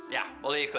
ya boleh ikut